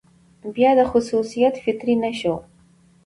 بيا دا خصوصيت فطري نه شو،